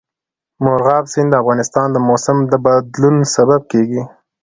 مورغاب سیند د افغانستان د موسم د بدلون سبب کېږي.